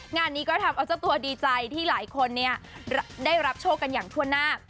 งานนี้ก็ทำเอาเจ้าตัวดีใจที่หลายคนได้รับโชคกันอย่างทั่วหน้า